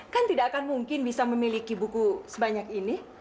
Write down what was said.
kan tidak akan mungkin bisa memiliki buku sebanyak ini